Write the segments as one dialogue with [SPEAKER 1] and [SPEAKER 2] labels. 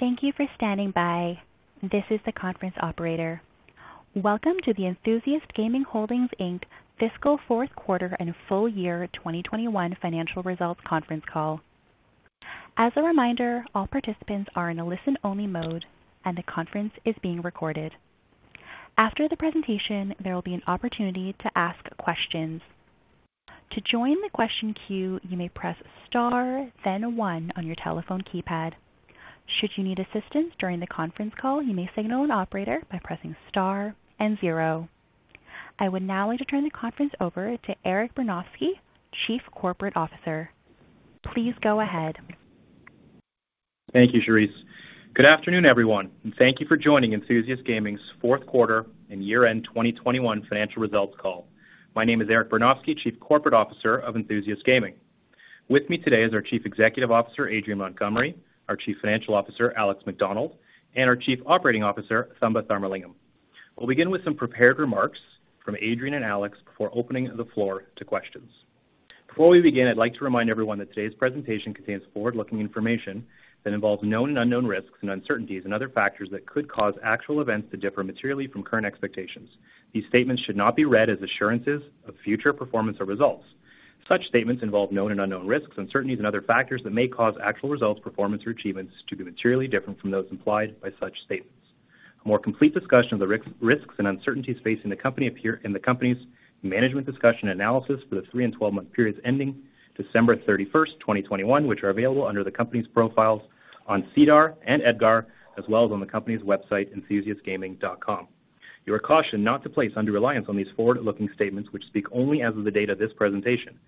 [SPEAKER 1] Thank you for standing by. This is the conference operator. Welcome to the Enthusiast Gaming Holdings Inc. fiscal fourth quarter and full year 2021 financial results conference call. As a reminder, all participants are in a listen-only mode, and the conference is being recorded. After the presentation, there will be an opportunity to ask questions. To join the question queue, you may press Star, then one on your telephone keypad. Should you need assistance during the conference call, you may signal an operator by pressing Star and zero. I would now like to turn the conference over to Eric Bernofsky, Chief Corporate Officer. Please go ahead.
[SPEAKER 2] Thank you, Charisse. Good afternoon, everyone, and thank you for joining Enthusiast Gaming's fourth quarter and year-end 2021 financial results call. My name is Eric Bernofsky, Chief Corporate Officer of Enthusiast Gaming. With me today is our Chief Executive Officer, Adrian Montgomery, our Chief Financial Officer, Alex Macdonald, and our Chief Operating Officer, Thamba Tharmalingam. We'll begin with some prepared remarks from Adrian and Alex before opening the floor to questions. Before we begin, I'd like to remind everyone that today's presentation contains forward-looking information that involves known and unknown risks and uncertainties and other factors that could cause actual events to differ materially from current expectations. These statements should not be read as assurances of future performance or results. Such statements involve known and unknown risks, uncertainties, and other factors that may cause actual results, performance, or achievements to be materially different from those implied by such statements. A more complete discussion of the risks and uncertainties facing the company appears in the company's management discussion and analysis for the three-month and 12-month periods ending December 31st, 2021, which are available under the company's profiles on SEDAR and EDGAR, as well as on the company's website, enthusiastgaming.com. You are cautioned not to place undue reliance on these forward-looking statements which speak only as of the date of this presentation.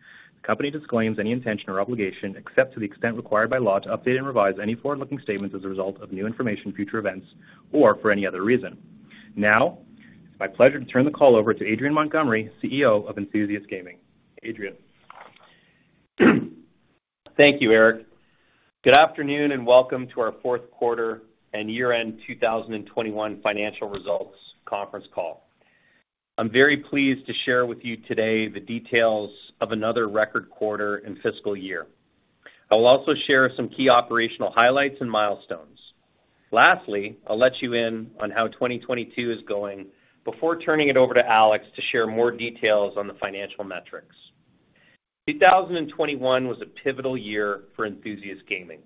[SPEAKER 2] The company disclaims any intention or obligation, except to the extent required by law, to update and revise any forward-looking statements as a result of new information, future events, or for any other reason. Now, it's my pleasure to turn the call over to Adrian Montgomery, Chief Executive Officer of Enthusiast Gaming. Adrian.
[SPEAKER 3] Thank you, Eric. Good afternoon, and welcome to our Q4 and year-end 2021 financial results conference call. I'm very pleased to share with you today the details of another record quarter and fiscal year. I will also share some key operational highlights and milestones. Lastly, I'll let you in on how 2022 is going before turning it over to Alex to share more details on the financial metrics. 2021 was a pivotal year for Enthusiast Gaming.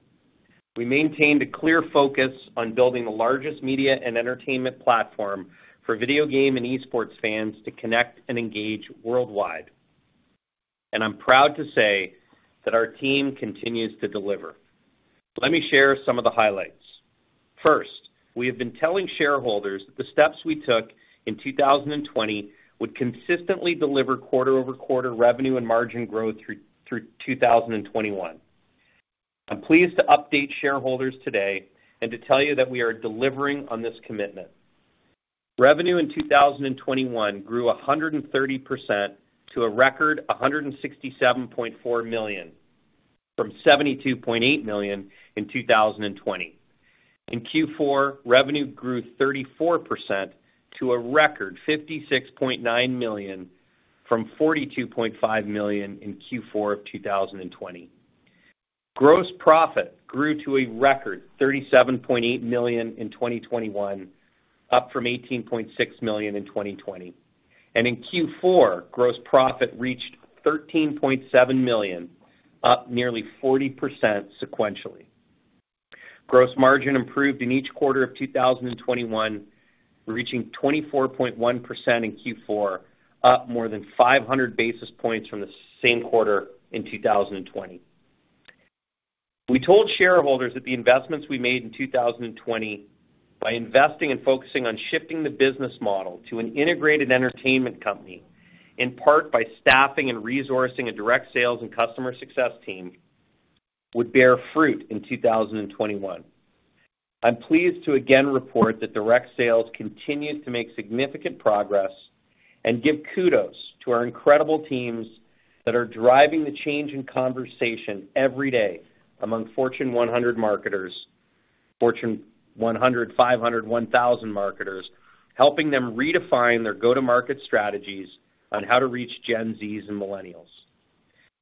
[SPEAKER 3] We maintained a clear focus on building the largest media and entertainment platform for video game and esports fans to connect and engage worldwide. I'm proud to say that our team continues to deliver. Let me share some of the highlights. First, we have been telling shareholders that the steps we took in 2020 would consistently deliver quarter-over-quarter revenue and margin growth through 2021. I'm pleased to update shareholders today and to tell you that we are delivering on this commitment. Revenue in 2021 grew 130% to a record 167.4 million, from 72.8 million in 2020. In Q4, revenue grew 34% to a record 56.9 million from 42.5 million in Q4 of 2020. Gross profit grew to a record 37.8 million in 2021, up from 18.6 million in 2020. In Q4, gross profit reached 13.7 million, up nearly 40% sequentially. Gross margin improved in each quarter of 2021, reaching 24.1% in Q4, up more than 500 basis points from the same quarter in 2020. We told shareholders that the investments we made in 2020 by investing and focusing on shifting the business model to an integrated entertainment company, in part by staffing and resourcing a direct sales and customer success team, would bear fruit in 2021. I'm pleased to again report that direct sales continued to make significant progress and give kudos to our incredible teams that are driving the change in conversation every day among Fortune 100 marketers, Fortune 100, Fortune 500, Fortune 1,000 marketers, helping them redefine their go-to-market strategies on how to reach Gen Z and millennials.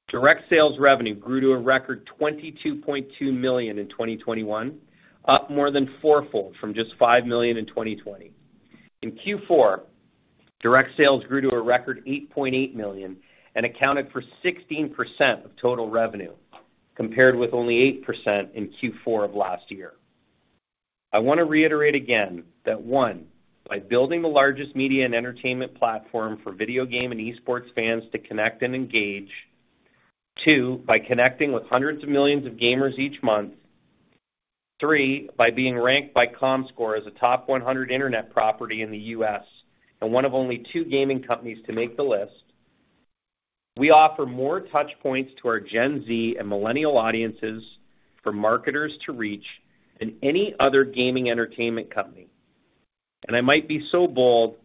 [SPEAKER 3] Direct sales revenue grew to a record 22.2 million in 2021, up more than four-fold from just 5 million in 2020. In Q4, direct sales grew to a record 8.8 million and accounted for 16% of total revenue, compared with only 8% in Q4 of last year. I want to reiterate again that, one, by building the largest media and entertainment platform for video game and esports fans to connect and engage. Two, by connecting with hundreds of millions of gamers each month. Three, by being ranked by Comscore as a top 100 internet property in the U.S. and one of only two gaming companies to make the list. We offer more touch points to our Gen Z and millennial audiences for marketers to reach than any other gaming entertainment company. I might be so bold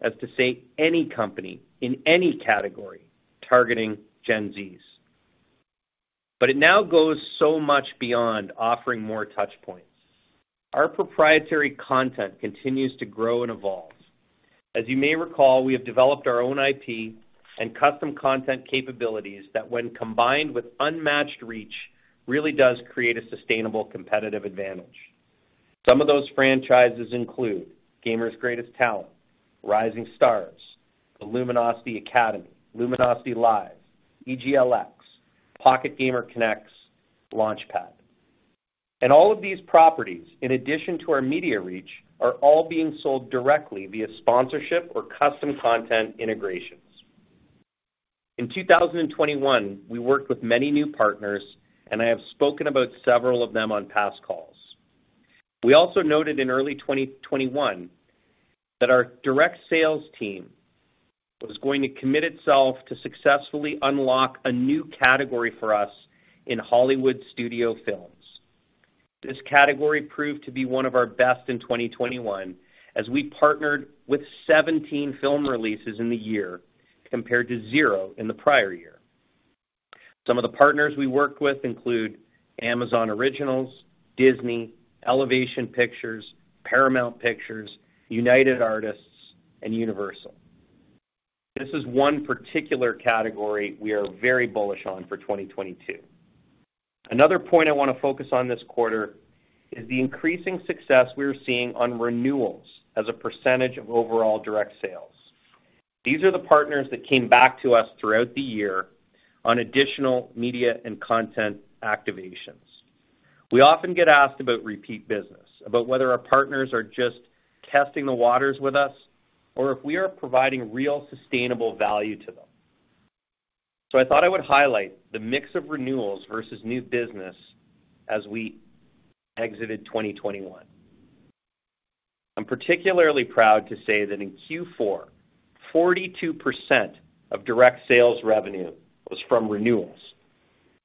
[SPEAKER 3] as to say any company in any category targeting Gen Z. It now goes so much beyond offering more touch points. Our proprietary content continues to grow and evolve. As you may recall, we have developed our own IP and custom content capabilities that when combined with unmatched reach, really does create a sustainable competitive advantage. Some of those franchises include Gamers' Greatest Talent, Rising Stars, the Luminosity Academy, Luminosity Live, EGLX, Pocket Gamer Connects, LaunchPad. All of these properties, in addition to our media reach, are all being sold directly via sponsorship or custom content integrations. In 2021, we worked with many new partners, and I have spoken about several of them on past calls. We also noted in early 2021 that our direct sales team was going to commit itself to successfully unlock a new category for us in Hollywood studio films. This category proved to be one of our best in 2021, as we partnered with 17 film releases in the year compared to zero in the prior year. Some of the partners we worked with include Amazon Originals, Disney, Elevation Pictures, Paramount Pictures, United Artists, and Universal. This is one particular category we are very bullish on for 2022. Another point I wanna focus on this quarter is the increasing success we are seeing on renewals as a percentage of overall direct sales. These are the partners that came back to us throughout the year on additional media and content activations. We often get asked about repeat business, about whether our partners are just testing the waters with us or if we are providing real sustainable value to them. I thought I would highlight the mix of renewals versus new business as we exited 2021. I'm particularly proud to say that in Q4, 42% of direct sales revenue was from renewals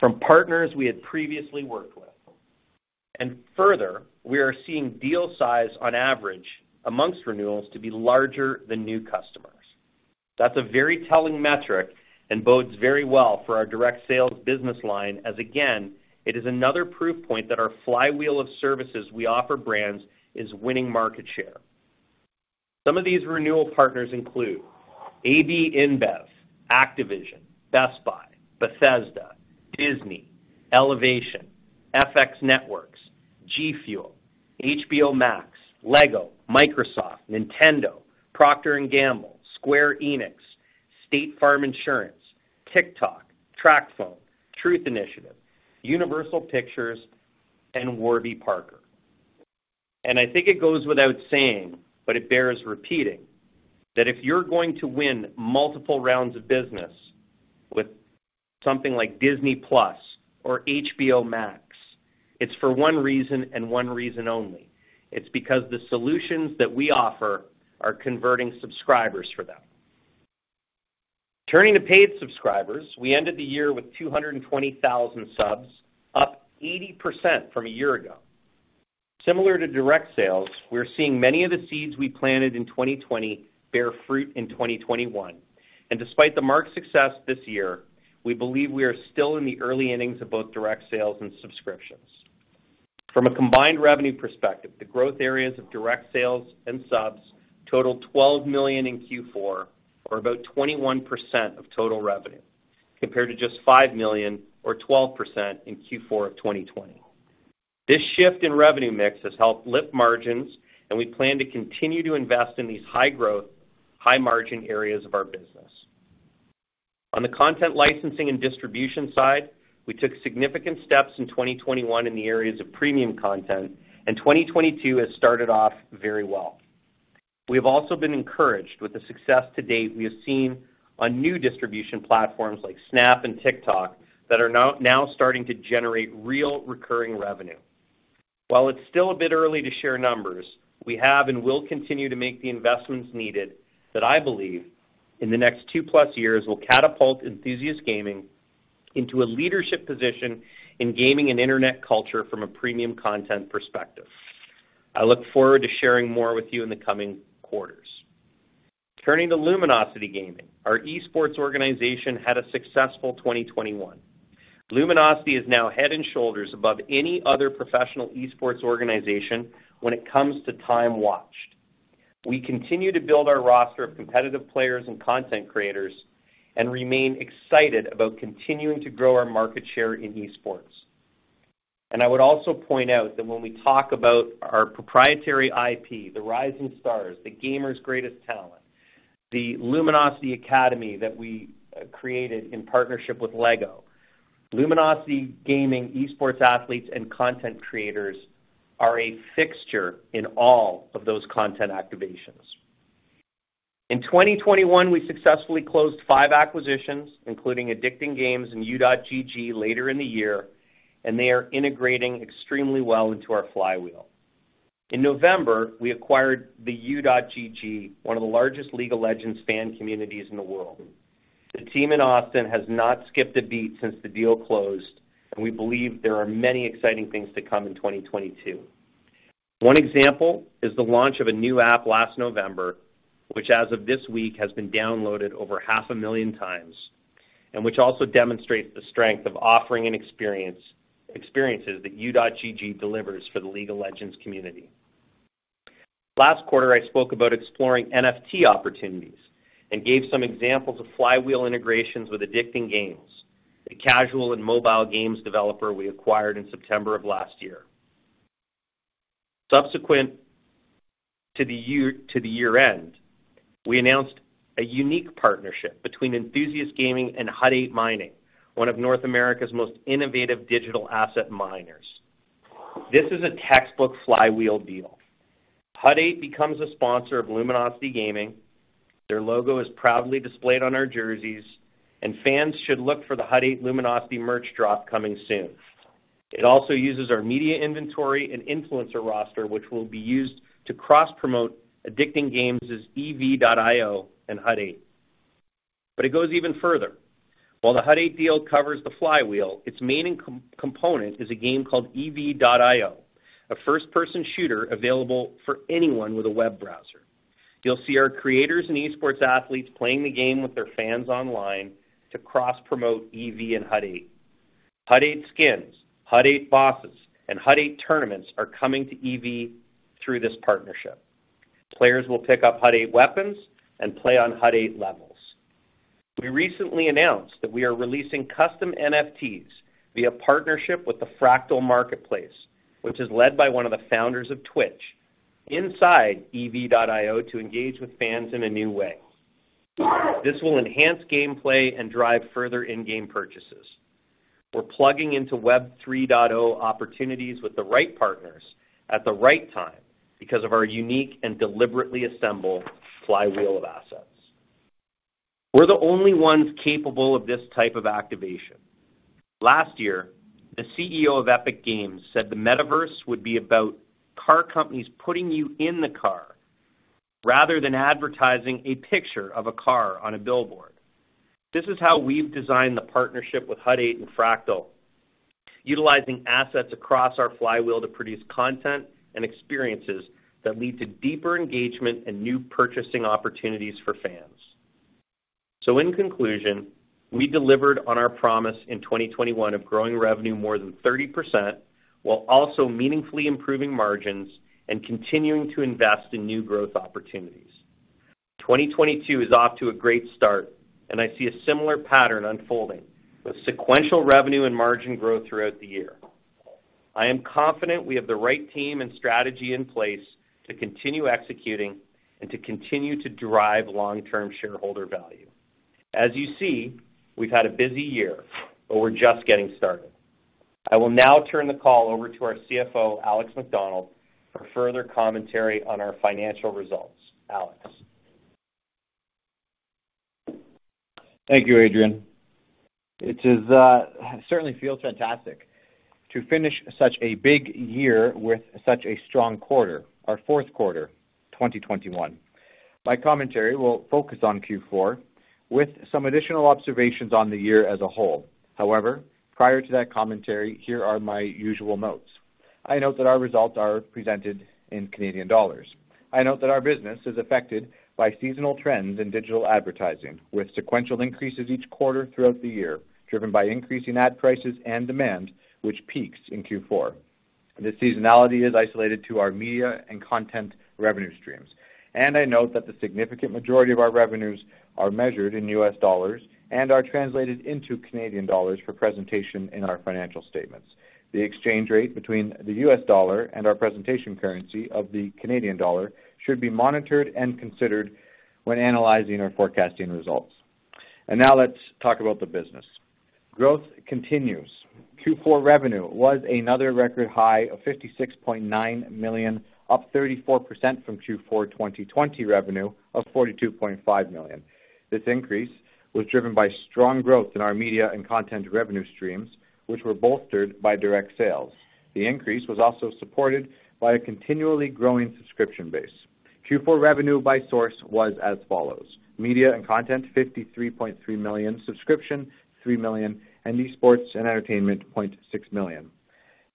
[SPEAKER 3] from partners we had previously worked with. Further, we are seeing deal size on average amongst renewals to be larger than new customers. That's a very telling metric and bodes very well for our direct sales business line as again, it is another proof point that our flywheel of services we offer brands is winning market share. Some of these renewal partners include AB InBev, Activision, Best Buy, Bethesda, Disney, Elevation, FX Networks, G FUEL, HBO Max, Lego, Microsoft, Nintendo, Procter & Gamble, Square Enix, State Farm Insurance, TikTok, TracFone, Truth Initiative, Universal Pictures, and Warby Parker. I think it goes without saying, but it bears repeating, that if you're going to win multiple rounds of business with something like Disney+ or HBO Max, it's for one reason and one reason only. It's because the solutions that we offer are converting subscribers for them. Turning to paid subscribers, we ended the year with 220,000 subs, up 80% from a year ago. Similar to direct sales, we're seeing many of the seeds we planted in 2020 bear fruit in 2021. Despite the marked success this year, we believe we are still in the early innings of both direct sales and subscriptions. From a combined revenue perspective, the growth areas of direct sales and subs totaled 12 million in Q4 or about 21% of total revenue, compared to just 5 million or 12% in Q4 of 2020. This shift in revenue mix has helped lift margins, and we plan to continue to invest in these high-growth, high-margin areas of our business. On the content licensing and distribution side, we took significant steps in 2021 in the areas of premium content, and 2022 has started off very well. We have also been encouraged with the success to date we have seen on new distribution platforms like Snap and TikTok that are now starting to generate real recurring revenue. While it's still a bit early to share numbers, we have and will continue to make the investments needed that I believe in the next 2+ years will catapult Enthusiast Gaming into a leadership position in gaming and internet culture from a premium content perspective. I look forward to sharing more with you in the coming quarters. Turning to Luminosity Gaming, our esports organization had a successful 2021. Luminosity is now head and shoulders above any other professional esports organization when it comes to time watched. We continue to build our roster of competitive players and content creators and remain excited about continuing to grow our market share in esports. I would also point out that when we talk about our proprietary IP, the Rising Stars, the Gamers' Greatest Talent, the Luminosity Academy that we created in partnership with Lego. Luminosity Gaming esports athletes and content creators are a fixture in all of those content activations. In 2021, we successfully closed five acquisitions, including Addicting Games and U.GG later in the year, and they are integrating extremely well into our flywheel. In November, we acquired U.GG, one of the largest League of Legends fan communities in the world. The team in Austin has not skipped a beat since the deal closed, and we believe there are many exciting things to come in 2022. One example is the launch of a new app last November, which, as of this week, has been downloaded over 500,000x. Which also demonstrates the strength of offering and experiences that U.GG delivers for the League of Legends community. Last quarter, I spoke about exploring NFT opportunities and gave some examples of flywheel integrations with Addicting Games, a casual and mobile games developer we acquired in September of last year. Subsequent to the year-end, we announced a unique partnership between Enthusiast Gaming and Hut 8 Mining, one of North America's most innovative digital asset miners. This is a textbook flywheel deal. Hut 8 becomes a sponsor of Luminosity Gaming. Their logo is proudly displayed on our jerseys, and fans should look for the Hut 8 Luminosity merch drop coming soon. It also uses our media inventory and influencer roster, which will be used to cross-promote Addicting Games' ev.io and Hut 8. It goes even further. While the Hut 8 deal covers the flywheel, its main component is a game called ev.io, a first-person shooter available for anyone with a web browser. You'll see our creators and esports athletes playing the game with their fans online to cross-promote ev and Hut 8. Hut 8 skins, Hut 8 bosses, and Hut 8 tournaments are coming to ev through this partnership. Players will pick up Hut 8 weapons and play on Hut 8 levels. We recently announced that we are releasing custom NFTs via partnership with the Fractal Marketplace, which is led by one of the founders of Twitch, inside ev.io to engage with fans in a new way. This will enhance gameplay and drive further in-game purchases. We're plugging into Web 3.0 opportunities with the right partners at the right time because of our unique and deliberately assembled flywheel of assets. We're the only ones capable of this type of activation. Last year, the Chief Executive Officer of Epic Games said the Metaverse would be about car companies putting you in the car rather than advertising a picture of a car on a billboard. This is how we've designed the partnership with Hut 8 and Fractal, utilizing assets across our flywheel to produce content and experiences that lead to deeper engagement and new purchasing opportunities for fans. In conclusion, we delivered on our promise in 2021 of growing revenue more than 30% while also meaningfully improving margins and continuing to invest in new growth opportunities. 2022 is off to a great start, and I see a similar pattern unfolding with sequential revenue and margin growth throughout the year. I am confident we have the right team and strategy in place to continue executing and to continue to drive long-term shareholder value. As you see, we've had a busy year, but we're just getting started. I will now turn the call over to our Chief Financial Officer, Alex Macdonald, for further commentary on our financial results. Alex.
[SPEAKER 4] Thank you, Adrian. It is certainly feels fantastic to finish such a big year with such a strong quarter, our fourth quarter 2021. My commentary will focus on Q4 with some additional observations on the year as a whole. However, prior to that commentary, here are my usual notes. I note that our results are presented in Canadian dollars. I note that our business is affected by seasonal trends in digital advertising, with sequential increases each quarter throughout the year, driven by increasing ad prices and demand, which peaks in Q4. This seasonality is isolated to our media and content revenue streams. I note that the significant majority of our revenues are measured in U.S.$ and are translated into CAD for presentation in our financial statements. The exchange rate between the U.S.$ and our presentation currency of the Canadian dollar should be monitored and considered when analyzing or forecasting results. Now let's talk about the business. Growth continues. Q4 revenue was another record high of 56.9 million, up 34% from Q4 2020 revenue of 42.5 million. This increase was driven by strong growth in our media and content revenue streams, which were bolstered by direct sales. The increase was also supported by a continually growing subscription base. Q4 revenue by source was as follows. Media and content, 53.3 million. Subscription, 3 million. And esports and entertainment, 0.6 million.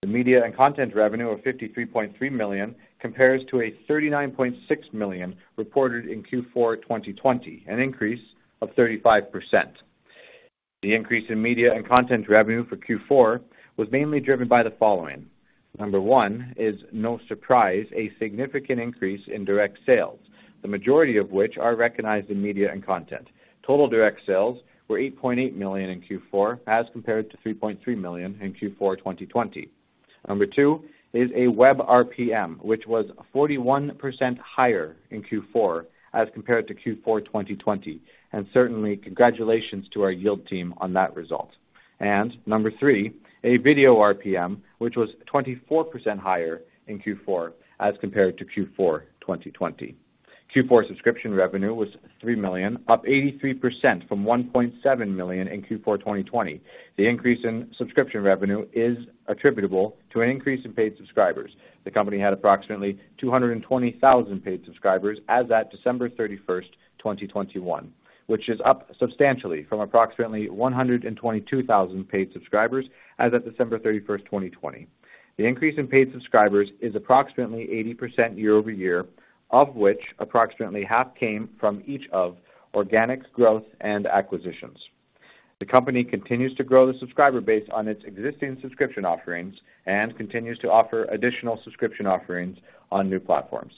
[SPEAKER 4] The media and content revenue of 53.3 million compares to 39.6 million reported in Q4 2020, an increase of 35%. The increase in media and content revenue for Q4 was mainly driven by the following. Number one is no surprise, a significant increase in direct sales, the majority of which are recognized in media and content. Total direct sales were 8.8 million in Q4 as compared to 3.3 million in Q4 2020. Number two is a web RPM, which was 41% higher in Q4 as compared to Q4 2020. Certainly, congratulations to our yield team on that result. Number three, a video RPM, which was 24% higher in Q4 as compared to Q4 2020. Q4 subscription revenue was 3 million, up 83% from 1.7 million in Q4 2020. The increase in subscription revenue is attributable to an increase in paid subscribers. The company had approximately 220,000 paid subscribers as at December 31st, 2021, which is up substantially from approximately 122,000 paid subscribers as at December 31st, 2020. The increase in paid subscribers is approximately 80% year over year, of which approximately half came from each of organic growth and acquisitions. The company continues to grow the subscriber base on its existing subscription offerings and continues to offer additional subscription offerings on new platforms.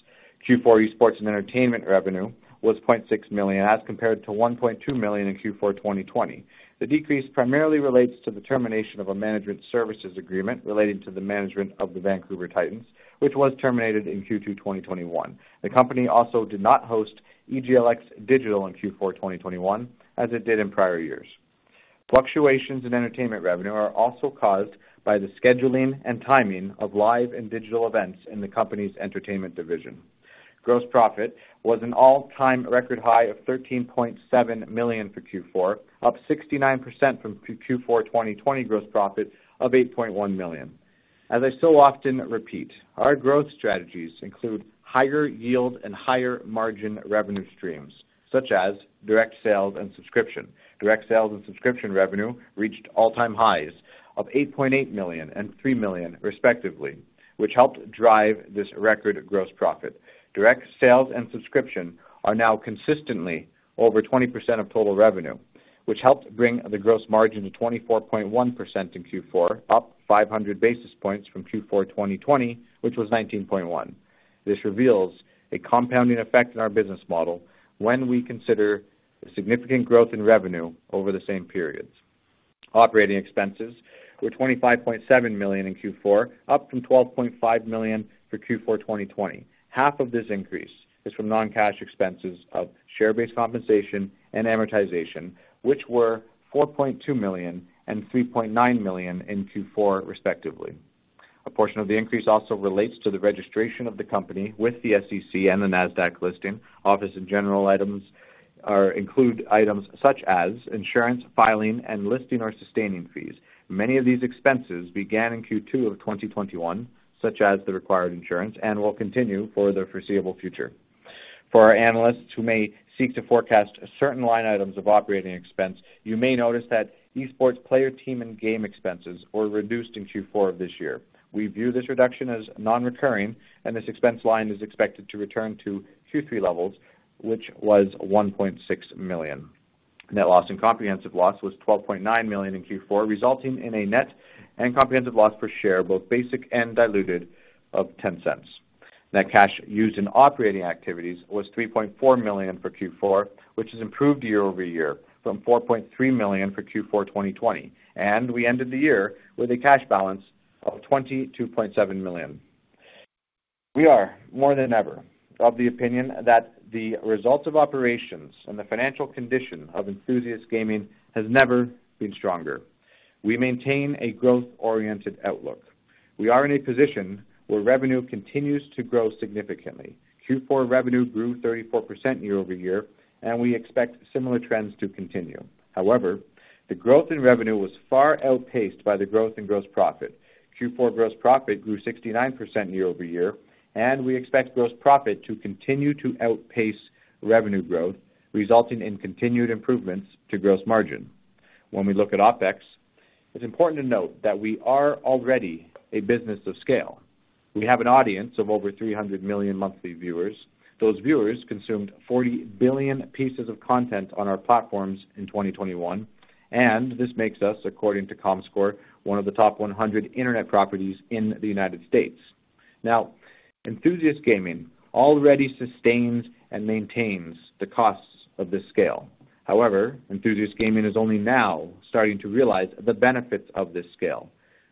[SPEAKER 4] Q4 esports and entertainment revenue was $0.6 million as compared to $1.2 million in Q4 2020. The decrease primarily relates to the termination of a management services agreement relating to the management of the Vancouver Titans, which was terminated in Q2 2021. The company also did not host EGLX Digital in Q4 2021, as it did in prior years. Fluctuations in entertainment revenue are also caused by the scheduling and timing of live and digital events in the company's entertainment division. Gross profit was an all-time record high of 13.7 million for Q4, up 69% from Q4 2020 gross profit of 8.1 million. As I so often repeat, our growth strategies include higher yield and higher margin revenue streams, such as direct sales and subscription. Direct sales and subscription revenue reached all-time highs of 8.8 million and 3 million, respectively, which helped drive this record gross profit. Direct sales and subscription are now consistently over 20% of total revenue, which helped bring the gross margin to 24.1% in Q4, up 500 basis points from Q4 2020, which was 19.1%. This reveals a compounding effect in our business model when we consider the significant growth in revenue over the same periods. Operating expenses were 25.7 million in Q4, up from 12.5 million for Q4 2020. Half of this increase is from non-cash expenses of share-based compensation and amortization, which were 4.2 million and 3.9 million in Q4, respectively. A portion of the increase also relates to the registration of the company with the SEC and the Nasdaq listing. Office and general items include items such as insurance, filing, and listing or sustaining fees. Many of these expenses began in Q2 of 2021, such as the required insurance, and will continue for the foreseeable future. For our analysts who may seek to forecast certain line items of operating expense, you may notice that esports player team and game expenses were reduced in Q4 of this year. We view this reduction as non-recurring, and this expense line is expected to return to Q3 levels, which was 1.6 million. Net loss and comprehensive loss was 12.9 million in Q4, resulting in a net and comprehensive loss per share, both basic and diluted of 0.10. Net cash used in operating activities was 3.4 million for Q4, which has improved year-over-year from 4.3 million for Q4 2020. We ended the year with a cash balance of 22.7 million. We are, more than ever, of the opinion that the results of operations and the financial condition of Enthusiast Gaming has never been stronger. We maintain a growth-oriented outlook. We are in a position where revenue continues to grow significantly. Q4 revenue grew 34% year-over-year, and we expect similar trends to continue. However, the growth in revenue was far outpaced by the growth in gross profit. Q4 gross profit grew 69% year-over-year, and we expect gross profit to continue to outpace revenue growth, resulting in continued improvements to gross margin. When we look at OpEx, it's important to note that we are already a business of scale. We have an audience of over 300 million monthly viewers. Those viewers consumed 40 billion pieces of content on our platforms in 2021, and this makes us, according to Comscore, one of the top 100 internet properties in the United States. Now, Enthusiast Gaming already sustains and maintains the costs of this scale. However, Enthusiast Gaming is only now starting to realize the benefits of this scale.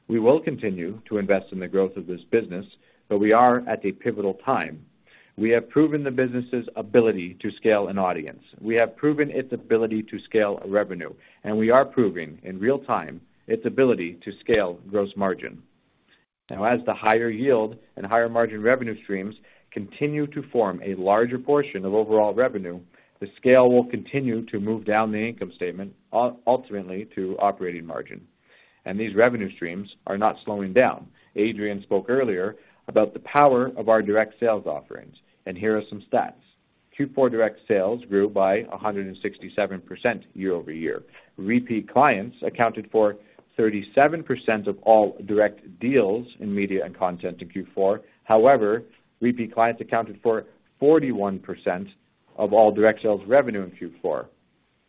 [SPEAKER 4] We will continue to invest in the growth of this business, but we are at a pivotal time. We have proven the business's ability to scale an audience. We have proven its ability to scale revenue, and we are proving in real-time its ability to scale gross margin. Now, as the higher yield and higher margin revenue streams continue to form a larger portion of overall revenue, the scale will continue to move down the income statement, ultimately to operating margin. These revenue streams are not slowing down. Adrian spoke earlier about the power of our direct sales offerings, and here are some stats. Q4 direct sales grew by 167% year-over-year. Repeat clients accounted for 37% of all direct deals in media and content in Q4. However, repeat clients accounted for 41% of all direct sales revenue in Q4.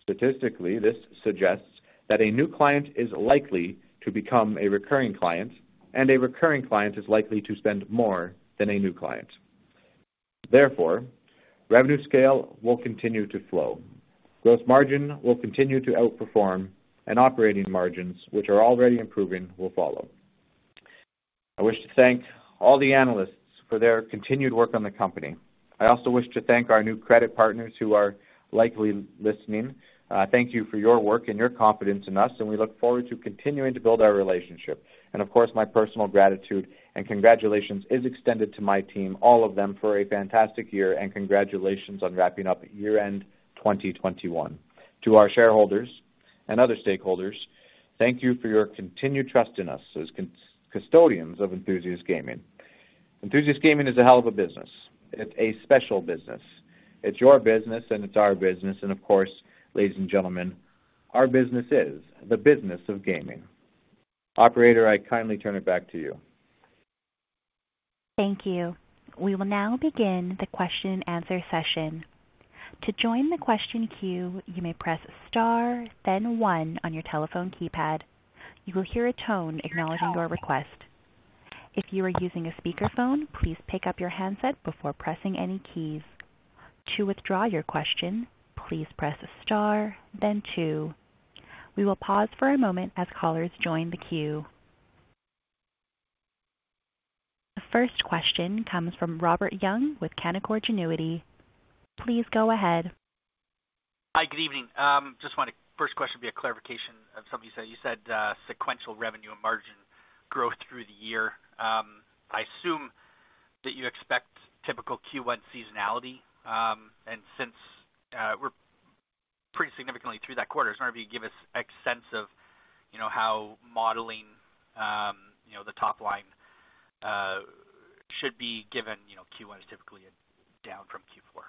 [SPEAKER 4] Statistically, this suggests that a new client is likely to become a recurring client, and a recurring client is likely to spend more than a new client. Therefore, revenue scale will continue to flow. Gross margin will continue to outperform, and operating margins, which are already improving, will follow. I wish to thank all the analysts for their continued work on the company. I also wish to thank our new credit partners who are likely listening. Thank you for your work and your confidence in us, and we look forward to continuing to build our relationship. Of course, my personal gratitude and congratulations is extended to my team, all of them, for a fantastic year, and congratulations on wrapping up year-end 2021. To our shareholders and other stakeholders, thank you for your continued trust in us as custodians of Enthusiast Gaming. Enthusiast Gaming is a hell of a business. It's a special business. It's your business, and it's our business. Of course, ladies and gentlemen, our business is the business of gaming. Operator, I kindly turn it back to you.
[SPEAKER 1] Thank you. We will now begin the question-and-answer session. To join the question queue, you may press Star then one on your telephone keypad. You will hear a tone acknowledging your request. If you are using a speakerphone, please pick up your handset before pressing any keys. To withdraw your question, please press Star then two. We will pause for a moment as callers join the queue. The first question comes from Robert Young with Canaccord Genuity. Please go ahead.
[SPEAKER 5] Hi, good evening. Just wanted first question to be a clarification of something you said. You said sequential revenue and margin growth through the year. I assume that you expect typical Q1 seasonality, and since we're pretty significantly through that quarter, I was wondering if you'd give us a sense of, you know, how to model the top line should be, given you know, Q1 is typically down from Q4.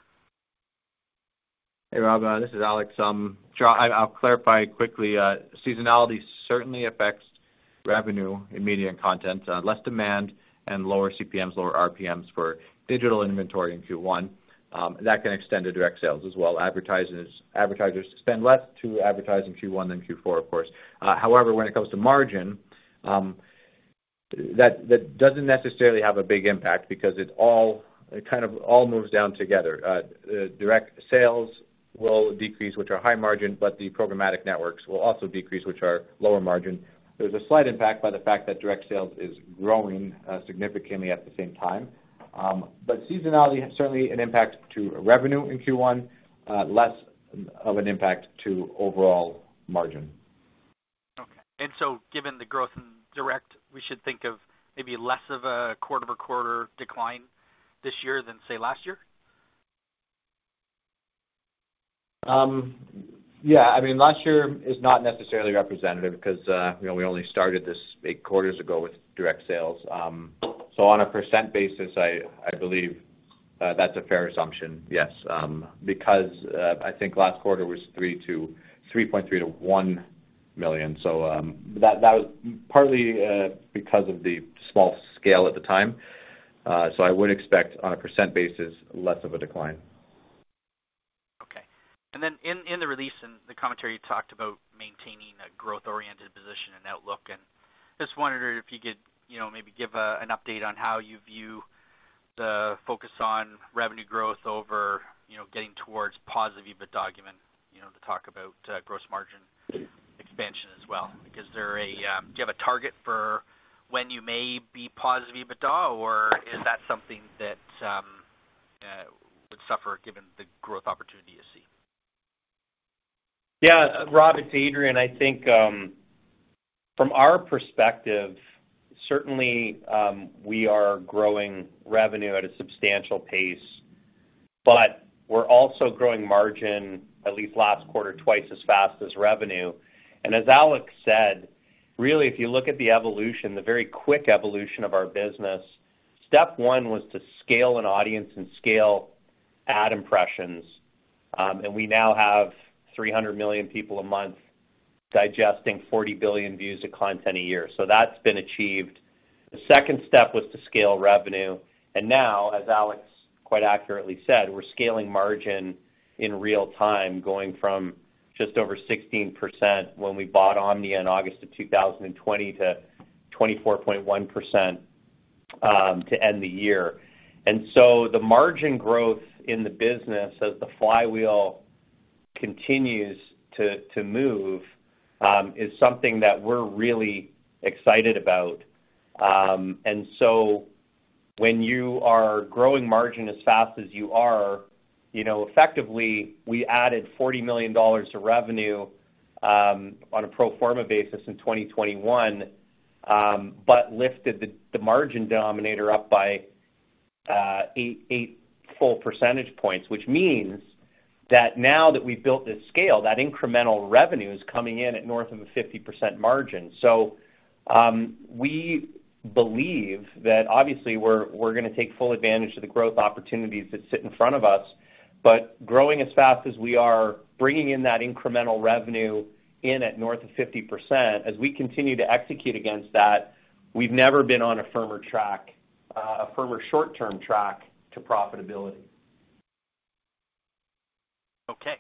[SPEAKER 4] Hey, Rob, this is Alex. Sure. I'll clarify quickly. Seasonality certainly affects revenue in media and content, less demand and lower CPMs, lower RPMs for digital inventory in Q1. That can extend to direct sales as well. Advertisers spend less to advertise in Q1 than Q4, of course. However, when it comes to margin, that doesn't necessarily have a big impact because it all kind of all moves down together. Direct sales will decrease, which are high margin, but the programmatic networks will also decrease, which are lower margin. There's a slight impact by the fact that direct sales is growing significantly at the same time. Seasonality has certainly an impact to revenue in Q1, less of an impact to overall margin.
[SPEAKER 5] Okay. Given the growth in direct, we should think of maybe less of a quarter-over-quarter decline this year than, say, last year?
[SPEAKER 4] Yeah. I mean, last year is not necessarily representative because, you know, we only started this eight quarters ago with direct sales. On a percent basis, I believe that's a fair assumption, yes. Because I think last quarter was $3.3 million-$1 million. That was partly because of the small scale at the time. I would expect on a percent basis less of a decline.
[SPEAKER 5] Okay. Then in the release and the commentary, you talked about maintaining a growth-oriented position and outlook. Just wondering if you could, you know, maybe give an update on how you view the focus on revenue growth over, you know, getting towards positive EBITDA given, you know, the talk about gross margin expansion as well. Do you have a target for when you may be positive EBITDA, or is that something that would suffer given the growth opportunity you see?
[SPEAKER 3] Yeah. Rob, it's Adrian. I think from our perspective, certainly, we are growing revenue at a substantial pace, but we're also growing margin at least last quarter, twice as fast as revenue. As Alex said, really, if you look at the evolution, the very quick evolution of our business, step one was to scale an audience and scale ad impressions. We now have 300 million people a month digesting 40 billion views of content a year. So that's been achieved. The second step was to scale revenue. Now, as Alex quite accurately said, we're scaling margin in real time, going from just over 16% when we bought Omnia in August of 2020 to 24.1%, to end the year.
[SPEAKER 4] The margin growth in the business as the flywheel continues to move is something that we're really excited about. When you are growing margin as fast as you are, you know, effectively, we added $40 million of revenue on a pro forma basis in 2021, but lifted the margin denominator up by 8 full percentage points, which means that now that we've built this scale, that incremental revenue is coming in at north of a 50% margin. We believe that obviously we're gonna take full advantage of the growth opportunities that sit in front of us. Growing as fast as we are, bringing in that incremental revenue in at north of 50%, as we continue to execute against that, we've never been on a firmer short-term track to profitability.
[SPEAKER 5] Okay.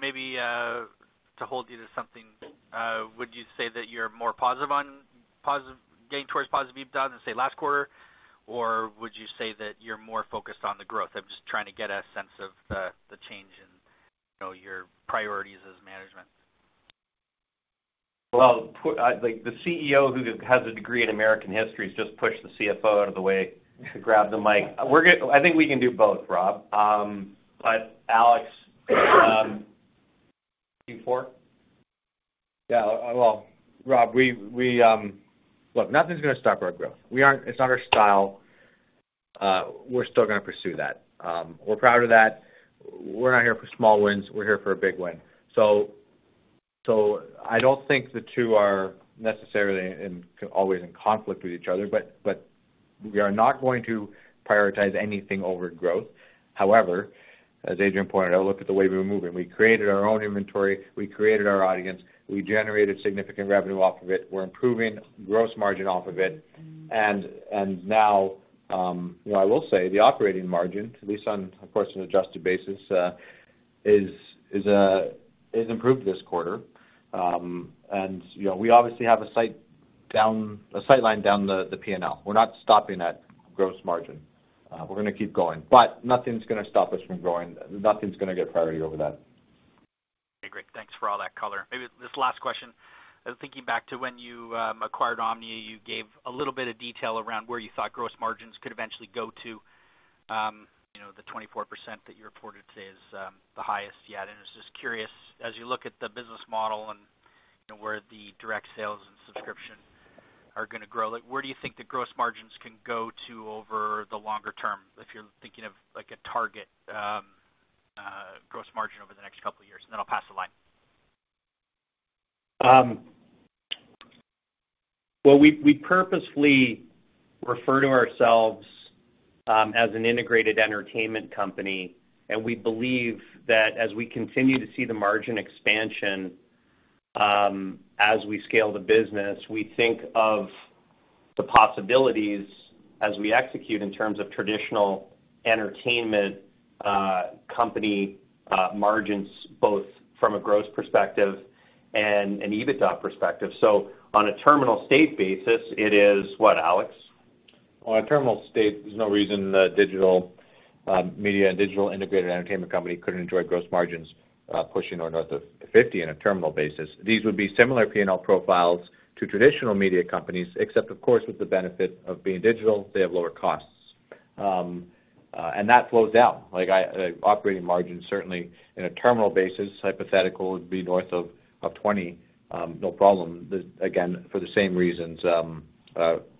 [SPEAKER 5] Maybe to hold you to something, would you say that you're more positive on getting towards positive EBITDA than, say, last quarter? Or would you say that you're more focused on the growth? I'm just trying to get a sense of the change in, you know, your priorities as management.
[SPEAKER 3] The CEO who has a degree in American history has just pushed the Chief Financial Officer out of the way to grab the mic. I think we can do both, Robert. Alex, Q4? Yeah. Rob, look, nothing's gonna stop our growth. It's not our style. We're still gonna pursue that. We're proud of that. We're not here for small wins. We're here for a big win. I don't think the two are necessarily always in conflict with each other, but we are not going to prioritize anything over growth. However, as Adrian pointed out, look at the way we were moving. We created our own inventory. We created our audience. We generated significant revenue off of it. We're improving gross margin off of it.
[SPEAKER 4] Now, you know, I will say the operating margin, at least on, of course, an adjusted basis, is improved this quarter. You know, we obviously have a sight line down the P&L. We're not stopping at gross margin. We're gonna keep going. Nothing's gonna stop us from growing. Nothing's gonna get priority over that.
[SPEAKER 5] Okay, great. Thanks for all that color. Maybe this last question. I was thinking back to when you acquired Omnia, you gave a little bit of detail around where you thought gross margins could eventually go to, you know, the 24% that you reported today is the highest yet. I'm just curious, as you look at the business model and, you know, where the direct sales and subscription are gonna grow, like, where do you think the gross margins can go to over the longer term, if you're thinking of like a target gross margin over the next couple of years? And then I'll pass the line.
[SPEAKER 3] Well, we purposefully refer to ourselves as an integrated entertainment company, and we believe that as we continue to see the margin expansion, as we scale the business, we think of the possibilities as we execute in terms of traditional entertainment company margins, both from a gross perspective and an EBITDA perspective. On a terminal state basis, it is what, Alex?
[SPEAKER 4] On a terminal state, there's no reason that digital media and digital integrated entertainment company couldn't enjoy gross margins pushing on north of 50% in a terminal basis. These would be similar P&L profiles to traditional media companies, except of course, with the benefit of being digital, they have lower costs. That flows down. Like operating margin, certainly in a terminal basis, hypothetical would be north of 20%, no problem, again, for the same reasons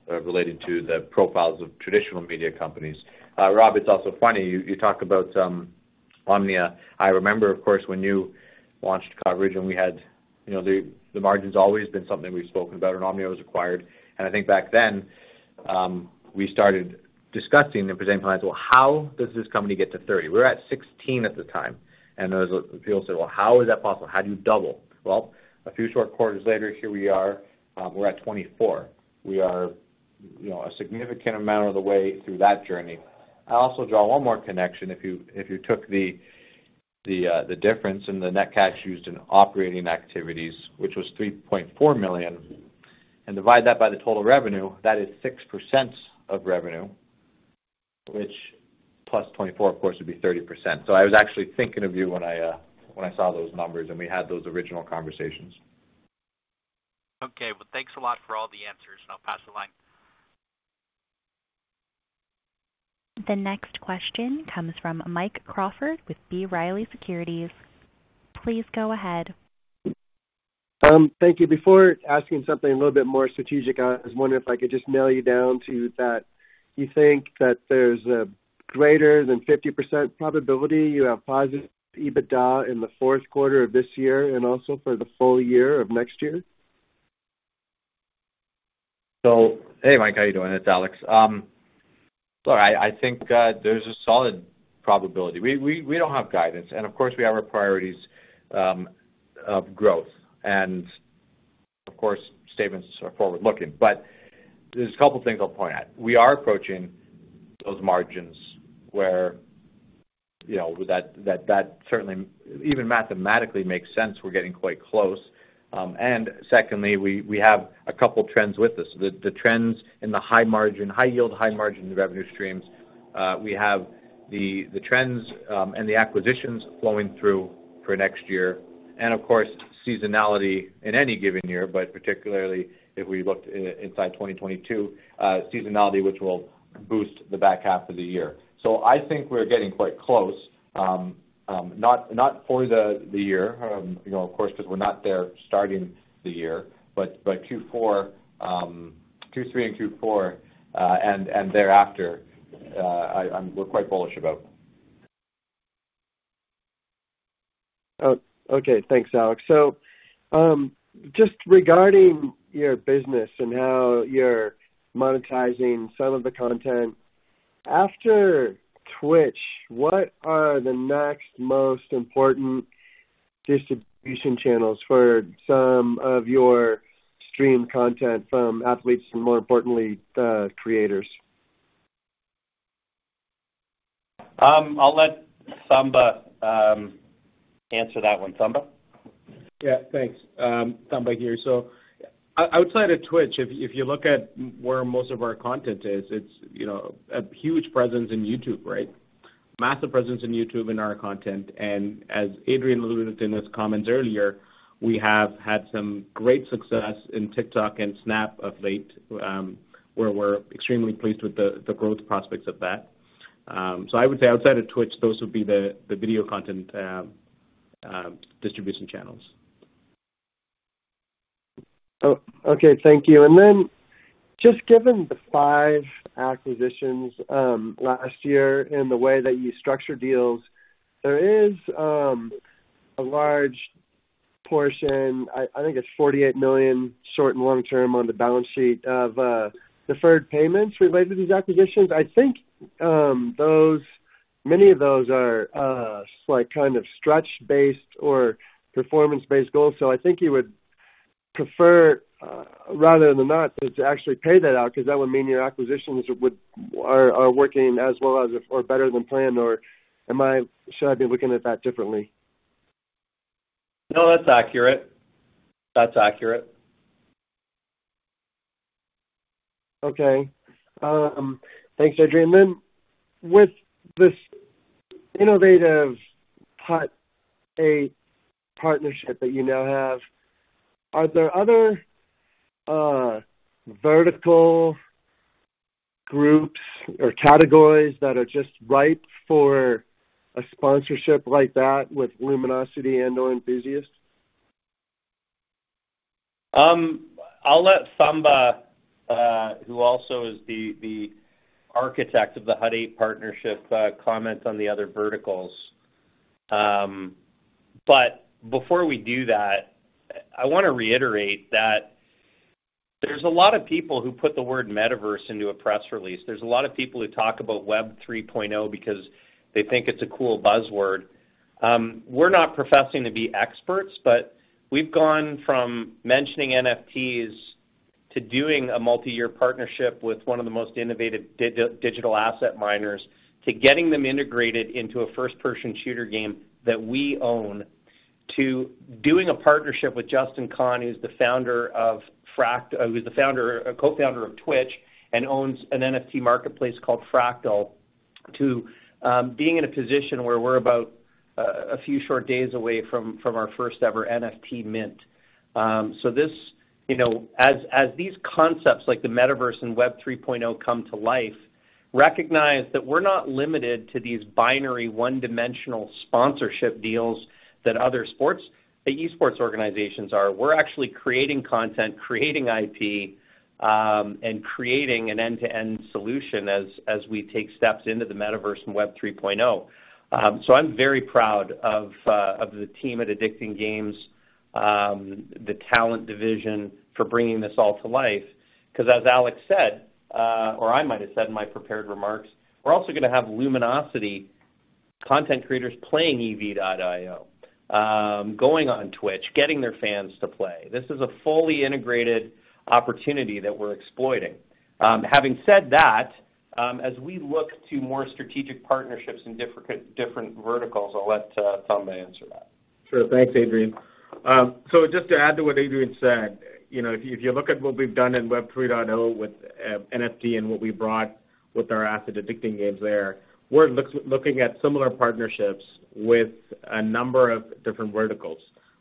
[SPEAKER 4] relating to the profiles of traditional media companies. Rob, it's also funny, you talk about Omnia. I remember, of course, when you launched coverage and we had, you know, the margin's always been something we've spoken about when Omnia was acquired. I think back then, we started discussing and presenting clients, well, how does this company get to 30%? We're at 16% at the time, and there was people said, "Well, how is that possible? How do you double?" Well, a few short quarters later, here we are. We're at 24%. We are, you know, a significant amount of the way through that journey. I also draw one more connection. If you took the difference in the net cash used in operating activities, which was 3.4 million, and divide that by the total revenue, that is 6% of revenue, which +24%, of course, would be 30%. I was actually thinking of you when I saw those numbers, and we had those original conversations.
[SPEAKER 5] Okay. Well, thanks a lot for all the answers, and I'll pass the line.
[SPEAKER 1] The next question comes from Mike Crawford with B. Riley Securities. Please go ahead.
[SPEAKER 6] Thank you. Before asking something a little bit more strategic, I was wondering if I could just nail you down to that you think that there's a greater than 50% probability you have positive EBITDA in the fourth quarter of this year and also for the full year of next year?
[SPEAKER 4] Hey, Mike, how you doing? It's Alex. I think there's a solid probability. We don't have guidance and, of course, we have our priorities of growth and, of course, statements are forward-looking. There's a couple of things I'll point out. We are approaching those margins where, you know, that certainly even mathematically makes sense, we're getting quite close. Secondly, we have a couple trends with us. The trends in the high margin, high yield, high margin revenue streams, we have the trends and the acquisitions flowing through for next year. Of course, seasonality in any given year, but particularly if we looked inside 2022, seasonality, which will boost the back half of the year. I think we're getting quite close, not for the year, you know, of course, because we're not there starting the year. Q3 and Q4 and thereafter, we're quite bullish about.
[SPEAKER 6] Oh, okay. Thanks, Alex. Just regarding your business and how you're monetizing some of the content. After Twitch, what are the next most important distribution channels for some of your stream content from athletes and more importantly, the creators?
[SPEAKER 3] I'll let Thamba answer that one. Thamba?
[SPEAKER 7] Yeah. Thanks. Thamba here. Outside of Twitch, if you look at where most of our content is, it's, you know, a huge presence in YouTube, right? Massive presence in YouTube in our content. As Adrian alluded in his comments earlier, we have had some great success in TikTok and Snap of late, where we're extremely pleased with the growth prospects of that. I would say outside of Twitch, those would be the video content distribution channels.
[SPEAKER 6] Oh, okay. Thank you. Just given the 5 acquisitions last year and the way that you structure deals, there is a large portion. I think it's 48 million short- and long-term on the balance sheet of deferred payments related to these acquisitions. I think many of those are like kind of stretch-based or performance-based goals. I think you would prefer rather than not to actually pay that out because that would mean your acquisitions are working as well as or better than planned or should I be looking at that differently?
[SPEAKER 3] No, that's accurate. That's accurate.
[SPEAKER 6] Okay. Thanks, Adrian. With this innovative Hut 8 partnership that you now have, are there other vertical groups or categories that are just ripe for a sponsorship like that with Luminosity and or Enthusiast?
[SPEAKER 3] I'll let Thamba, who also is the architect of the Hut 8 partnership, comment on the other verticals. Before we do that, I wanna reiterate that there's a lot of people who put the word Metaverse into a press release. There's a lot of people who talk about Web 3.0 because they think it's a cool buzzword. We're not professing to be experts, but we've gone from mentioning NFTs to doing a multi-year partnership with one of the most innovative digital asset miners, to getting them integrated into a first person shooter game that we own, to doing a partnership with Justin Kan, who's the co-founder of Twitch and owns an NFT marketplace called Fractal, to being in a position where we're about a few short days away from our first ever NFT mint. You know, as these concepts like the Metaverse and Web 3.0 come to life, recognize that we're not limited to these binary one-dimensional sponsorship deals that other sports, the esports organizations are. We're actually creating content, creating IP, and creating an end-to-end solution as we take steps into the Metaverse and Web 3.0. I'm very proud of the team at Addicting Games, the talent division for bringing this all to life. Because as Alex said, or I might have said in my prepared remarks, we're also gonna have Luminosity content creators playing ev.io, going on Twitch, getting their fans to play. This is a fully integrated opportunity that we're exploiting. Having said that, as we look to more strategic partnerships in different verticals, I'll let Thamba answer that.
[SPEAKER 7] Sure. Thanks, Adrian. So just to add to what Adrian said, you know, if you look at what we've done in Web 3.0 with NFT and what we brought with our asset Addicting Games there, we're looking at similar partnerships with a number of different verticals.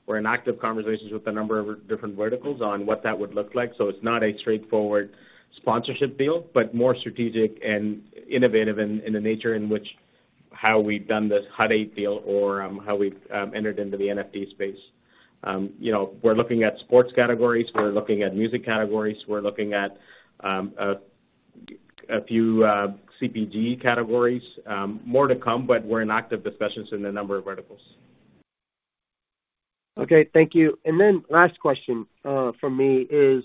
[SPEAKER 7] We're in active conversations with a number of different verticals on what that would look like. It's not a straightforward sponsorship deal, but more strategic and innovative in the nature in which how we've done this Hut 8 deal or how we've entered into the NFT space. You know, we're looking at sports categories, we're looking at music categories, we're looking at a few CPG categories. More to come, but we're in active discussions in a number of verticals.
[SPEAKER 6] Okay, thank you. Last question from me is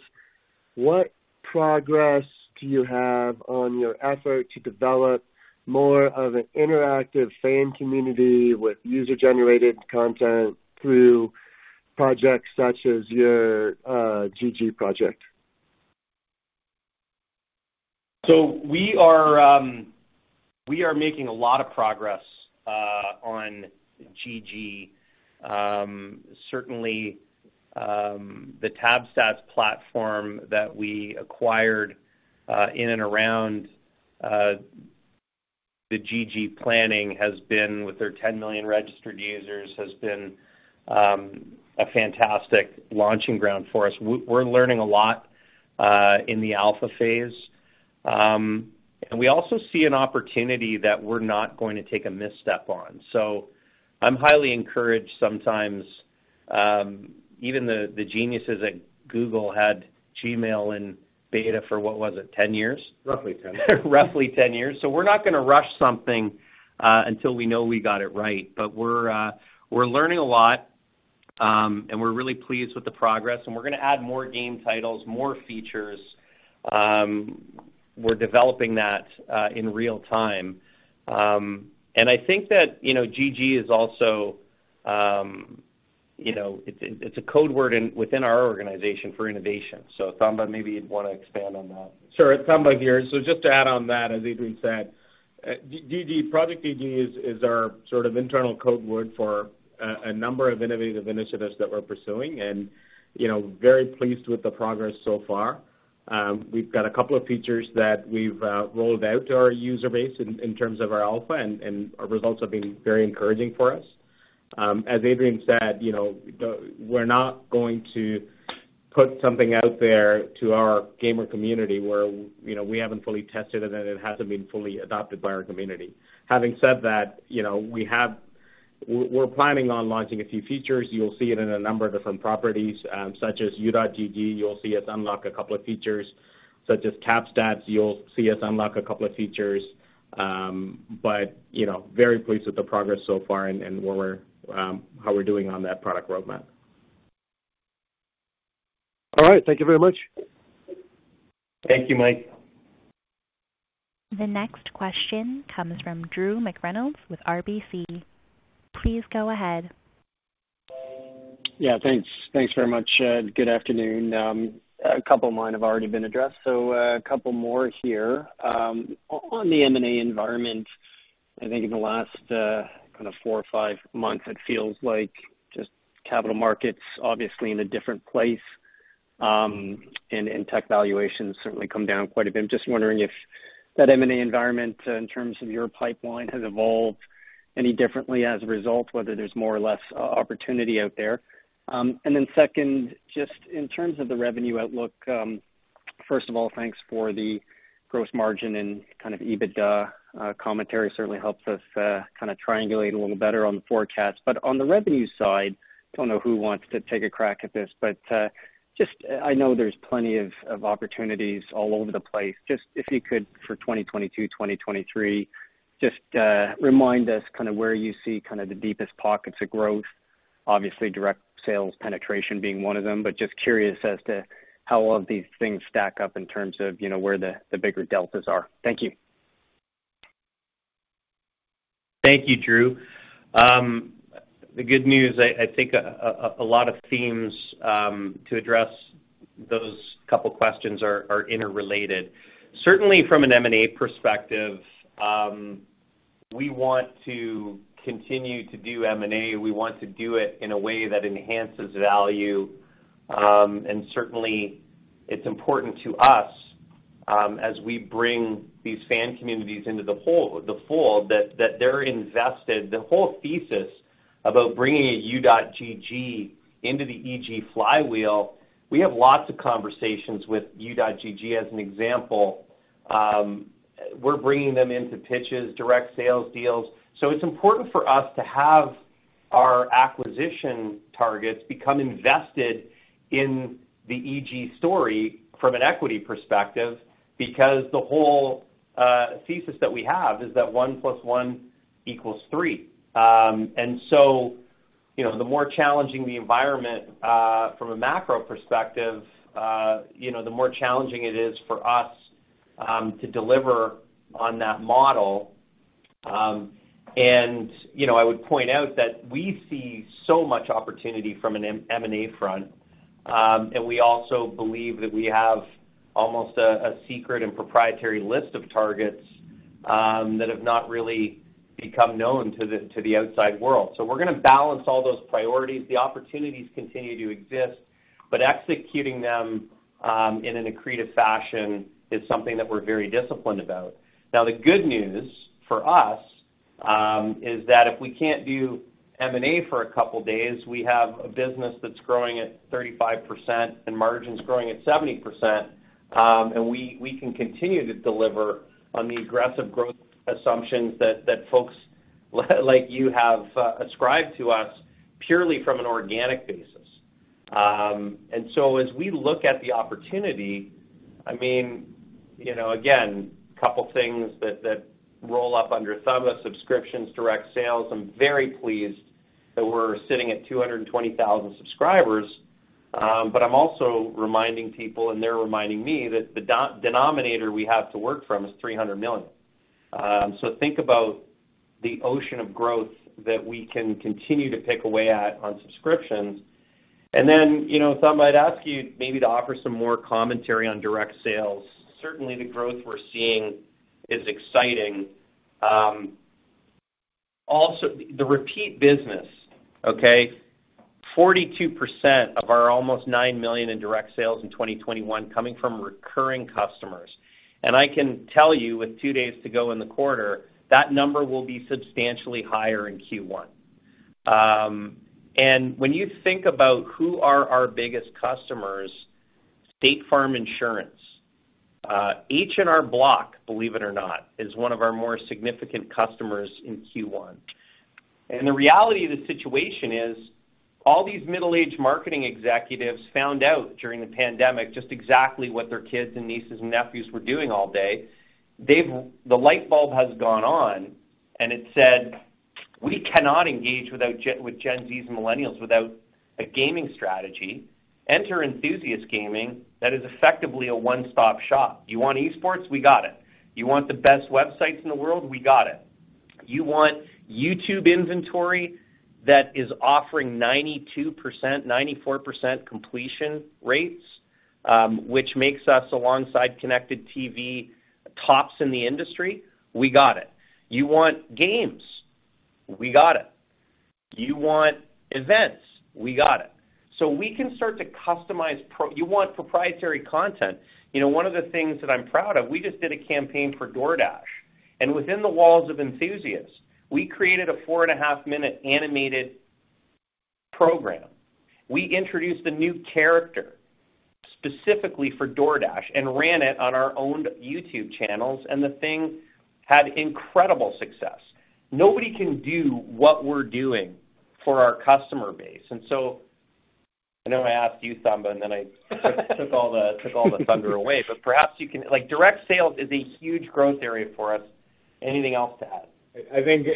[SPEAKER 6] what progress do you have on your effort to develop more of an interactive fan community with user-generated content through projects such as your GG project?
[SPEAKER 3] We are making a lot of progress on GG. Certainly, the TabStats platform that we acquired in and around the GG planning has been, with their 10 million registered users, a fantastic launching ground for us. We're learning a lot in the alpha phase. We also see an opportunity that we're not going to take a misstep on. I'm highly encouraged sometimes, even the geniuses at Google had Gmail in beta for, what was it? 10 years.
[SPEAKER 7] Roughly 10 years.
[SPEAKER 3] Roughly 10 years. We're not gonna rush something until we know we got it right. We're learning a lot and we're really pleased with the progress, and we're gonna add more game titles, more features. We're developing that in real time. I think that you know GG is also you know it's a code word within our organization for innovation. Thamba, maybe you'd wanna expand on that.
[SPEAKER 7] Sure. Thamba here. Just to add on that, as Adrian said, GG, Project GG is our sort of internal code word for a number of innovative initiatives that we're pursuing and, you know, very pleased with the progress so far. We've got a couple of features that we've rolled out to our user base in terms of our alpha, and our results have been very encouraging for us. As Adrian said, you know, we're not going to put something out there to our gamer community where, you know, we haven't fully tested it and it hasn't been fully adopted by our community. Having said that, you know, we have
[SPEAKER 3] We're planning on launching a few features. You'll see it in a number of different properties, such as U.GG, you'll see us unlock a couple of features, such as TabStats, you'll see us unlock a couple of features. You know, very pleased with the progress so far and where we're, how we're doing on that product roadmap.
[SPEAKER 6] All right. Thank you very much.
[SPEAKER 3] Thank you, Mike.
[SPEAKER 1] The next question comes from Drew McReynolds with RBC. Please go ahead.
[SPEAKER 8] Yeah, thanks. Thanks very much. Good afternoon. A couple of mine have already been addressed, so a couple more here. On the M&A environment, I think in the last kind of four or five months, it feels like just capital markets obviously in a different place, and tech valuations certainly come down quite a bit. I'm just wondering if that M&A environment in terms of your pipeline has evolved any differently as a result, whether there's more or less opportunity out there. Then second, just in terms of the revenue outlook, first of all, thanks for the gross margin and kind of EBITDA commentary. It certainly helps us kind of triangulate a little better on the forecast. On the revenue side, don't know who wants to take a crack at this, but just I know there's plenty of opportunities all over the place. Just if you could, for 2022, 2023, just remind us kinda where you see kinda the deepest pockets of growth. Obviously, direct sales penetration being one of them, but just curious as to how all of these things stack up in terms of, you know, where the bigger deltas are. Thank you.
[SPEAKER 3] Thank you, Drew. The good news, I think a lot of themes to address those couple questions are interrelated. Certainly from an M&A perspective, we want to continue to do M&A. We want to do it in a way that enhances value. Certainly it's important to us, as we bring these fan communities into the fold, that they're invested. The whole thesis about bringing a U.GG into the EG flywheel, we have lots of conversations with U.GG as an example. We're bringing them into pitches, direct sales deals. It's important for us to have our acquisition targets become invested in the EG story from an equity perspective, because the whole thesis that we have is that one plus one equals three. You know, the more challenging the environment from a macro perspective, you know, the more challenging it is for us to deliver on that model. You know, I would point out that we see so much opportunity from an M&A front. We also believe that we have almost a secret and proprietary list of targets that have not really become known to the outside world. We're gonna balance all those priorities. The opportunities continue to exist, but executing them in an accretive fashion is something that we're very disciplined about. Now, the good news for us is that if we can't do M&A for a couple days, we have a business that's growing at 35% and margins growing at 70%. We can continue to deliver on the aggressive growth assumptions that folks like you have ascribed to us purely from an organic basis. As we look at the opportunity, I mean, you know, again, couple things that roll up under Thamba: subscriptions, direct sales. I'm very pleased that we're sitting at 220,000 subscribers, but I'm also reminding people, and they're reminding me that the denominator we have to work from is 300 million. So think about the ocean of growth that we can continue to pick away at on subscriptions. Then, you know, Thamba, I'd ask you maybe to offer some more commentary on direct sales. Certainly, the growth we're seeing is exciting. Also the repeat business, okay? 42% of our almost 9 million in direct sales in 2021 coming from recurring customers. I can tell you with two days to go in the quarter, that number will be substantially higher in Q1. When you think about who are our biggest customers, State Farm Insurance, H&R Block, believe it or not, is one of our more significant customers in Q1. The reality of the situation is all these middle-aged marketing executives found out during the pandemic just exactly what their kids and nieces and nephews were doing all day. The light bulb has gone on, and it said, "We cannot engage with Gen Z and millennials without a gaming strategy." Enter Enthusiast Gaming that is effectively a one-stop shop. You want esports? We got it. You want the best websites in the world? We got it. You want YouTube inventory that is offering 92%, 94% completion rates, which makes us alongside connected TV tops in the industry? We got it. You want games? We got it. You want events? We got it. We can start to customize. You want proprietary content. You know, one of the things that I'm proud of, we just did a campaign for DoorDash, and within the walls of Enthusiast, we created a 4.5-minute animated program. We introduced a new character specifically for DoorDash and ran it on our owned YouTube channels, and the thing had incredible success. Nobody can do what we're doing for our customer base. I know I asked you, Thamba, and then I took all the thunder away, but perhaps you can. Like, direct sales is a huge growth area for us. Anything else to add?
[SPEAKER 7] I think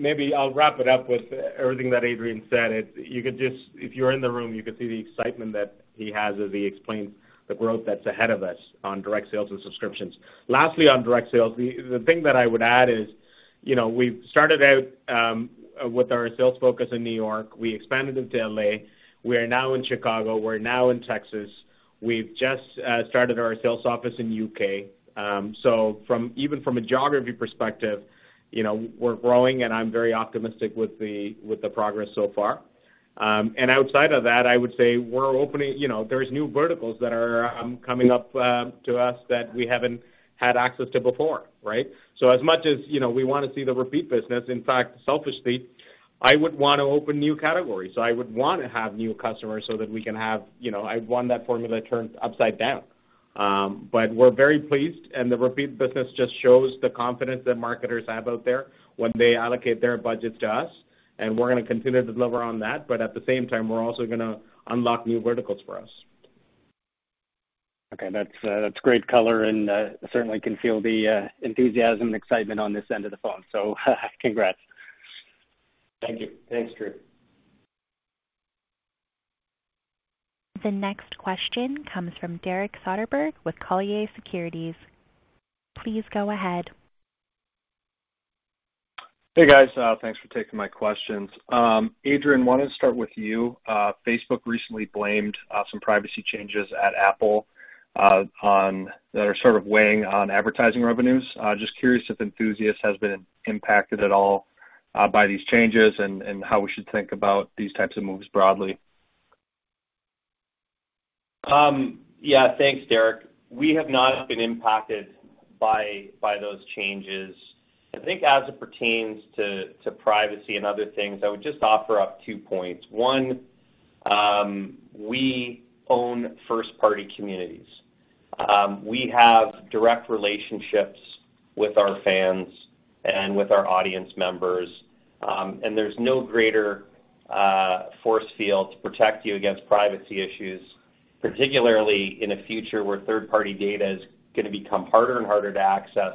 [SPEAKER 7] maybe I'll wrap it up with everything that Adrian said. If you're in the room, you could see the excitement that he has as he explains the growth that's ahead of us on direct sales and subscriptions. Lastly, on direct sales, the thing that I would add is, you know, we've started out with our sales focus in New York. We expanded into L.A. We are now in Chicago. We're now in Texas. We've just started our sales office in U.K. Even from a geography perspective, you know, we're growing, and I'm very optimistic with the progress so far. Outside of that, I would say, you know, there's new verticals that are coming up to us that we haven't had access to before, right? As much as, you know, we wanna see the repeat business, in fact, selfishly, I would want to open new categories. I would want to have new customers so that we can have, you know, I'd want that formula turned upside down. We're very pleased, and the repeat business just shows the confidence that marketers have out there when they allocate their budgets to us, and we're gonna continue to deliver on that. At the same time, we're also gonna unlock new verticals for us.
[SPEAKER 8] Okay. That's great color, and I certainly can feel the enthusiasm and excitement on this end of the phone. Congrats.
[SPEAKER 7] Thank you.
[SPEAKER 3] Thanks, Drew.
[SPEAKER 1] The next question comes from Derek Soderberg with Colliers Securities. Please go ahead.
[SPEAKER 9] Hey, guys. Thanks for taking my questions. Adrian, I wanted to start with you. Facebook recently blamed some privacy changes at Apple that are sort of weighing on advertising revenues. Just curious if Enthusiast has been impacted at all by these changes and how we should think about these types of moves broadly.
[SPEAKER 3] Yeah. Thanks, Derek. We have not been impacted by those changes. I think as it pertains to privacy and other things, I would just offer up two points. One, we own first-party communities. We have direct relationships with our fans and with our audience members, and there's no greater force field to protect you against privacy issues, particularly in a future where third-party data is gonna become harder and harder to access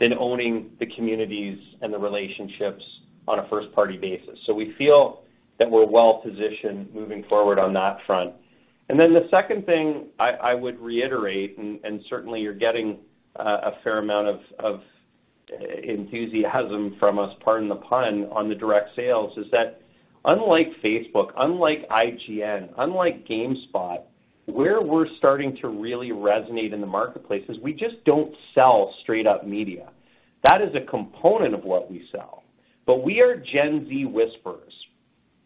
[SPEAKER 3] than owning the communities and the relationships on a first-party basis. We feel that we're well positioned moving forward on that front. Then the second thing I would reiterate, and certainly you're getting a fair amount of enthusiasm from us, pardon the pun, on the direct sales, is that unlike Facebook, unlike IGN, unlike GameSpot, where we're starting to really resonate in the marketplace is we just don't sell straight up media. That is a component of what we sell. We are Gen Z whisperers.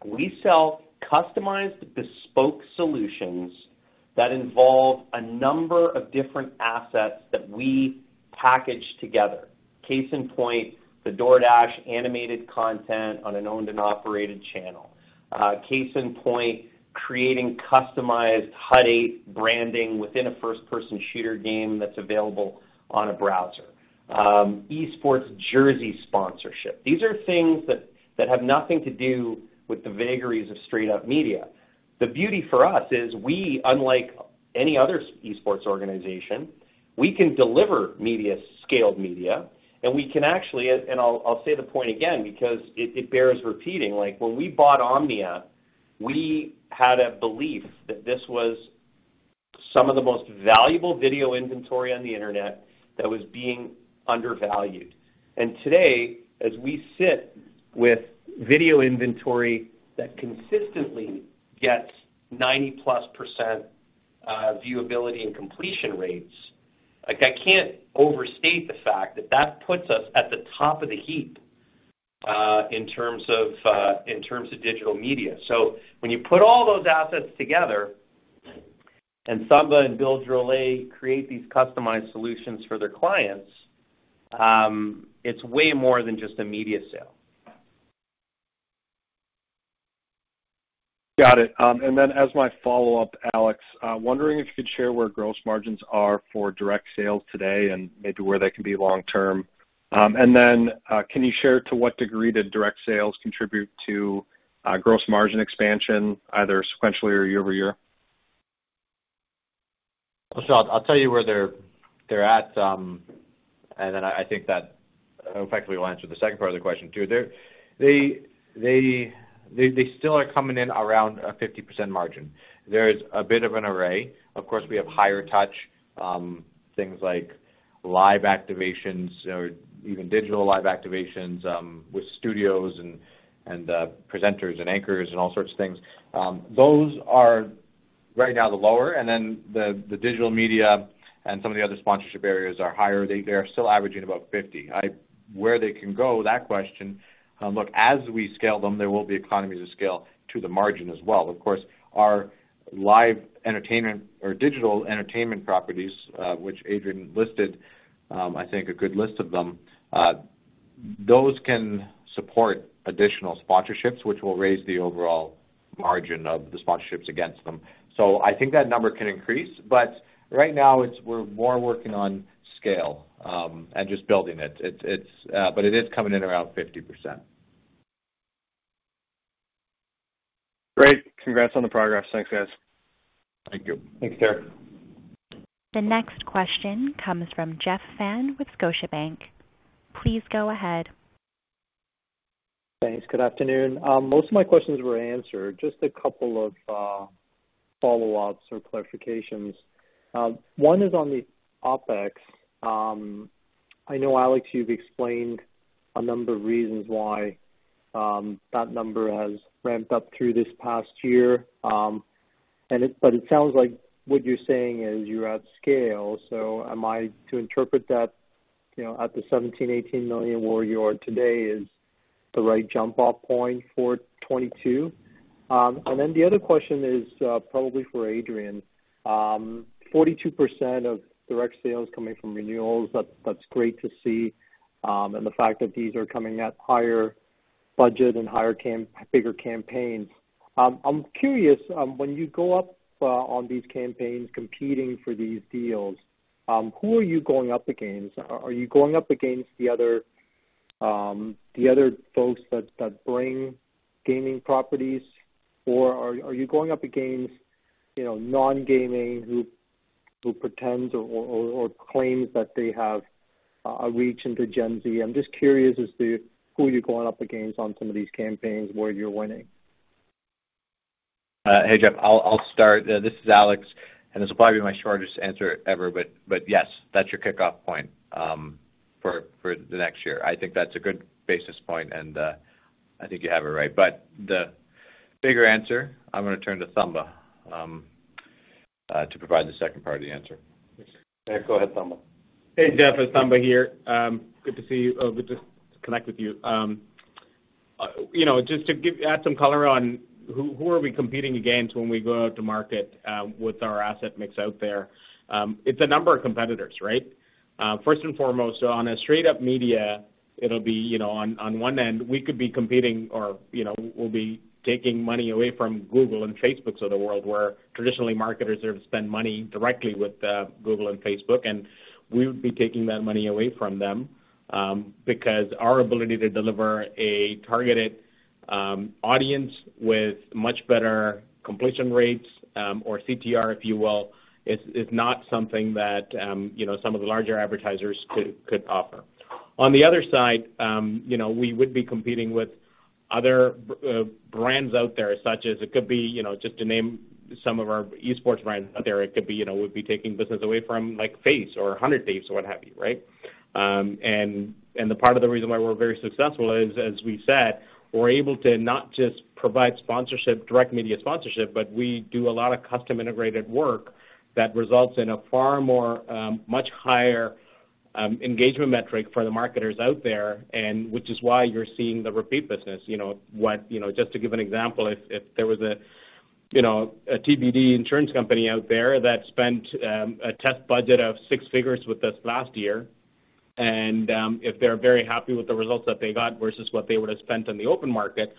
[SPEAKER 3] We sell customized bespoke solutions that involve a number of different assets that we package together. Case in point, the DoorDash animated content on an owned and operated channel. Case in point, creating customized Hut 8 branding within a first-person shooter game that's available on a browser. Esports jersey sponsorship. These are things that have nothing to do with the vagaries of straight up media. The beauty for us is we, unlike any other esports organization, we can deliver media, scaled media, and we can actually, and I'll say the point again because it bears repeating. Like, when we bought Omnia, we had a belief that this was some of the most valuable video inventory on the internet that was being undervalued. Today, as we sit with video inventory that consistently gets 90%+ viewability and completion rates, like I can't overstate the fact that that puts us at the top of the heap, in terms of digital media. When you put all those assets together and Thamba and Bill Drolet create these customized solutions for their clients, it's way more than just a media sale.
[SPEAKER 9] Got it. As my follow-up, Alex, wondering if you could share where gross margins are for direct sales today and maybe where they can be long term. Can you share to what degree did direct sales contribute to gross margin expansion, either sequentially or year-over-year?
[SPEAKER 4] I'll tell you where they're at, and then I think that effectively will answer the second part of the question, too. They still are coming in around a 50% margin. There's a bit of an array. Of course, we have higher touch things like live activations or even digital live activations with studios and presenters and anchors and all sorts of things. Those are right now the lower. Then the digital media and some of the other sponsorship areas are higher. They are still averaging about 50. Where they can go, that question. Look, as we scale them, there will be economies of scale to the margin as well.
[SPEAKER 7] Of course, our live entertainment or digital entertainment properties, which Adrian listed, I think a good list of them.
[SPEAKER 3] Those can support additional sponsorships, which will raise the overall margin of the sponsorships against them. I think that number can increase, but right now we're more working on scale and just building it. It is coming in around 50%.
[SPEAKER 9] Great. Congrats on the progress. Thanks, guys.
[SPEAKER 3] Thank you. Thanks, Derek.
[SPEAKER 1] The next question comes from Jeff Fan with Scotiabank. Please go ahead.
[SPEAKER 10] Thanks. Good afternoon. Most of my questions were answered. Just a couple of follow-ups or clarifications. One is on the OpEx. I know, Alex, you've explained a number of reasons why that number has ramped up through this past year. But it sounds like what you're saying is you're at scale. So am I to interpret that, you know, at the 17 million-18 million where you are today is the right jump off point for 2022? Then the other question is probably for Adrian. 42% of direct sales coming from renewals, that's great to see. The fact that these are coming at higher budget and bigger campaigns. I'm curious when you go up on these campaigns competing for these deals who are you going up against? Are you going up against the other folks that bring gaming properties? Or are you going up against, you know, non-gaming who pretends or claims that they have a reach into Gen Z? I'm just curious as to who you're going up against on some of these campaigns where you're winning.
[SPEAKER 4] Hey, Jeff. I'll start. This is Alex, and this will probably be my shortest answer ever, but yes, that's your kickoff point, for the next year. I think that's a good basis point, and I think you have it right. The bigger answer, I'm gonna turn to Thamba, to provide the second part of the answer. Yeah, go ahead, Thamba. Hey, Jeff. It's Thamba here. Good to see you. Good to connect with you. You know, just to add some color on who we are competing against when we go out to market, with our asset mix out there. It's a number of competitors, right?
[SPEAKER 3] First and foremost, on a straight up media, it'll be, you know, on one end, we could be competing or, you know, we'll be taking money away from Google and Facebooks of the world, where traditionally marketers are to spend money directly with Google and Facebook, and we would be taking that money away from them, because our ability to deliver a targeted audience with much better completion rates, or CTR, if you will, is not something that, you know, some of the larger advertisers could offer. On the other side, you know, we would be competing with other brands out there, such as it could be, you know, just to name some of our esports brands out there.
[SPEAKER 7] It could be, you know, we'd be taking business away from like FaZe or 100 Thieves or what have you, right? And the part of the reason why we're very successful is, as we said, we're able to not just provide sponsorship, direct media sponsorship, but we do a lot of custom integrated work that results in a far more, much higher, engagement metric for the marketers out there, and which is why you're seeing the repeat business.
[SPEAKER 3] You know just to give an example, if there was a you know a TBD insurance company out there that spent a test budget of six figures with us last year, and if they're very happy with the results that they got versus what they would have spent on the open market,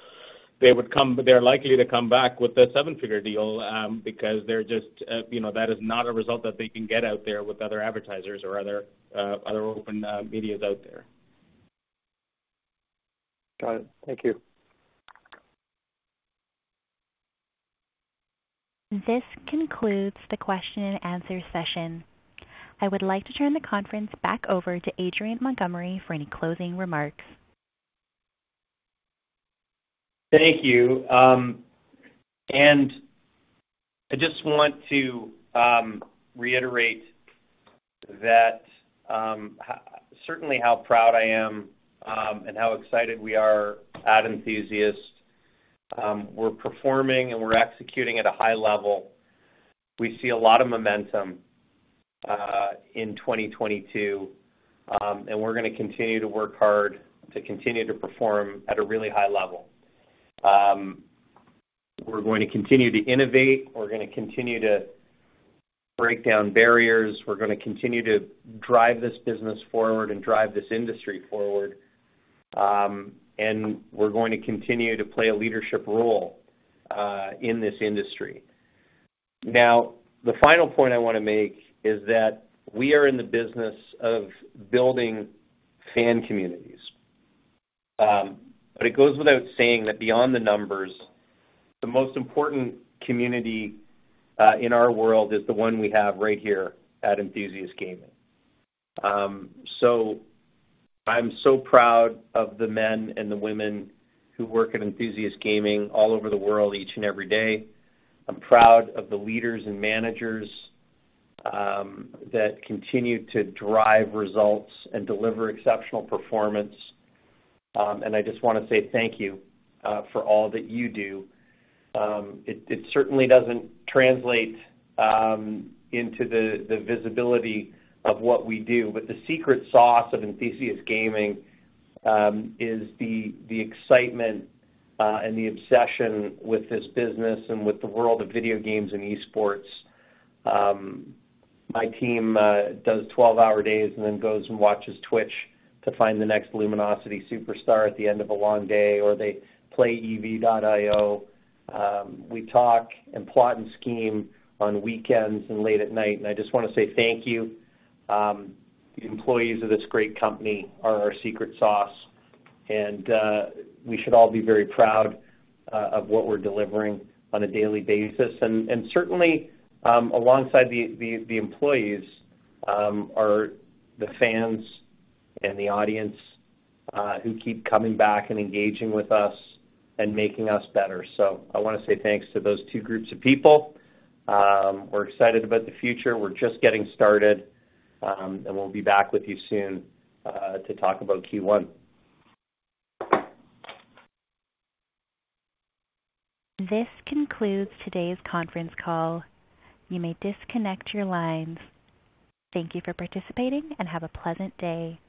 [SPEAKER 3] they're likely to come back with a seven-figure deal, because they're just you know that is not a result that they can get out there with other advertisers or other open media out there.
[SPEAKER 10] Got it. Thank you.
[SPEAKER 1] This concludes the question and answer session. I would like to turn the conference back over to Adrian Montgomery for any closing remarks.
[SPEAKER 3] Thank you. I just want to reiterate how proud I am and how excited we are at Enthusiast. We're performing and we're executing at a high level. We see a lot of momentum in 2022, and we're gonna continue to work hard to continue to perform at a really high level. We're going to continue to innovate. We're gonna continue to break down barriers. We're gonna continue to drive this business forward and drive this industry forward. We're going to continue to play a leadership role in this industry. Now, the final point I wanna make is that we are in the business of building fan communities. It goes without saying that beyond the numbers, the most important community in our world is the one we have right here at Enthusiast Gaming. I'm so proud of the men and the women who work at Enthusiast Gaming all over the world each and every day. I'm proud of the leaders and managers that continue to drive results and deliver exceptional performance. I just wanna say thank you for all that you do. It certainly doesn't translate into the visibility of what we do, but the secret sauce of Enthusiast Gaming is the excitement and the obsession with this business and with the world of video games and esports. My team does 12-hour days and then goes and watches Twitch to find the next Luminosity superstar at the end of a long day, or they play ev.io. We talk and plot and scheme on weekends and late at night, and I just wanna say thank you. The employees of this great company are our secret sauce, and we should all be very proud of what we're delivering on a daily basis. Certainly, alongside the employees, are the fans and the audience who keep coming back and engaging with us and making us better. I wanna say thanks to those two groups of people. We're excited about the future. We're just getting started, and we'll be back with you soon to talk about Q1.
[SPEAKER 1] This concludes today's conference call. You may disconnect your lines. Thank you for participating and have a pleasant day.